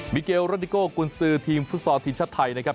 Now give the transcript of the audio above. เกลโรดิโกกุญซือทีมฟุตซอลทีมชาติไทยนะครับ